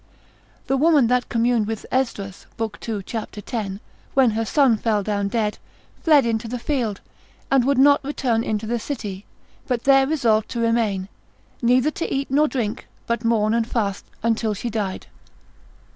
The woman that communed with Esdras (lib. 2. cap. 10.) when her son fell down dead. fled into the field, and would not return into the city, but there resolved to remain, neither to eat nor drink, but mourn and fast until she died.